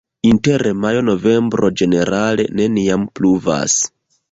Inter majo-novembro ĝenerale neniam pluvas.